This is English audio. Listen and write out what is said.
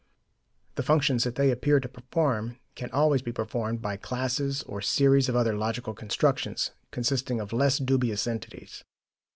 The functions that they appear to perform can always be performed by classes or series or other logical constructions, consisting of less dubious entities.